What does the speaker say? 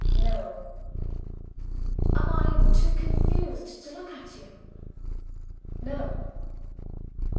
"No." "Am I too confused to look at you?" "No."